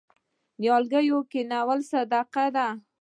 نیالګي کینول صدقه ده.